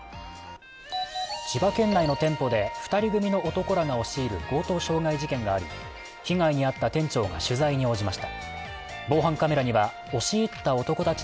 千葉県内の店舗で２人組の男らが押し入る強盗傷害事件があり被害に遭った店長が取材に応じました。